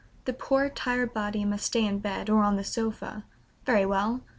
The poor tired body must stay in bed or on the sofa; very well!